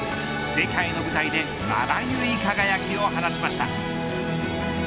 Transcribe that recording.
世界の舞台でまばゆい輝きを放ちました。